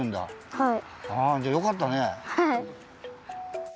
はい！